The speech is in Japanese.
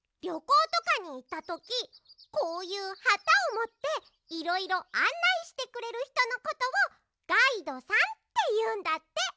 りょこうとかにいったときこういうはたをもっていろいろあんないしてくれるひとのことをガイドさんっていうんだって。